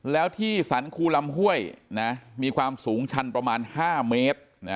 แล้วที่สรรคูลำห้วยมีความสูงชันประมาณ๕เมตร